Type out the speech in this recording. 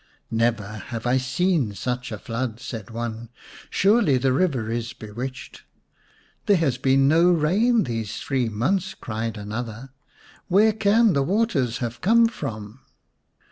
" Never have I seen such a flood," said one ;" surely the river is bewitched." " There has been no rain these three months," cried another ;" where can the waters have come from